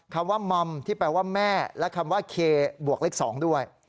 คำว่ามอมที่แปลว่าแม่และคำว่าเคบวกเลข๒ด้วย